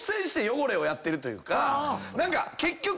何か結局。